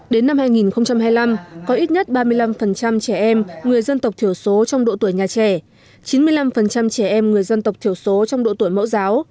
đến năm hai nghìn hai mươi năm có ít nhất ba mươi năm trẻ em người dân tộc thiểu số trong độ tuổi nhà trẻ chín mươi năm trẻ em người dân tộc thiểu số trong độ tuổi mẫu giáo